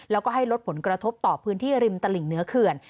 แล้วก็ให้ลดผลกระทบต่อพื้นที่ริมตลิ่งเหนือเขื่อน